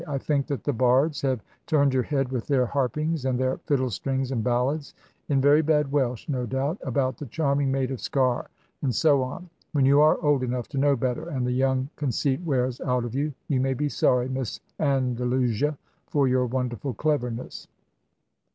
I think that the bards have turned your head with their harpings, and their fiddle strings, and ballads (in very bad Welsh, no doubt) about 'the charming maid of Sker;' and so on. When you are old enough to know better, and the young conceit wears out of you, you may be sorry, Miss Andalusia, for your wonderful cleverness."